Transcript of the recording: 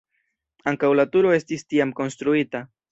Ankaŭ la turo estis tiam konstruita.